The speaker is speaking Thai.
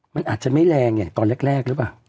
มันอาจจะไม่แรงอย่างตอนแรกหรือเปล่า